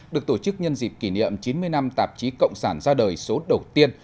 được tổ chức nhân dịp kỷ niệm chín mươi năm tạp chí cộng sản ra đời số đầu tiên